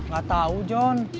gak tahu john